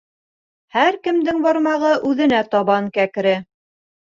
Һәр кемдең бармағы үҙенә табан кәкре.